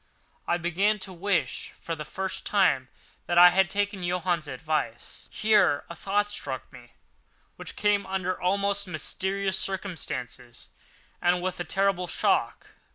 I began to wish, for the first time, that I had taken Johann's advice. Here a thought struck me, which came under almost mysterious circumstances and with a terrible shock.